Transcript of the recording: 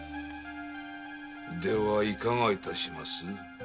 ではいかがいたします？